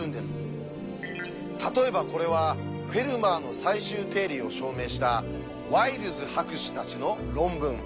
例えばこれは「フェルマーの最終定理」を証明したワイルズ博士たちの論文。